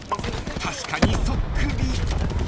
［確かにそっくり］